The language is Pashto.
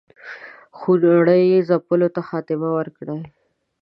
خونړي ځپلو ته خاتمه ورکړي.